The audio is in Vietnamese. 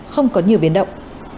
không có nhiều biến động